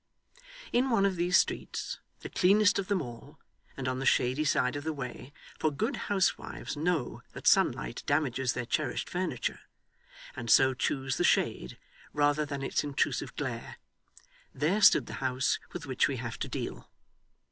In one of these streets, the cleanest of them all, and on the shady side of the way for good housewives know that sunlight damages their cherished furniture, and so choose the shade rather than its intrusive glare there stood the house with which we have to deal.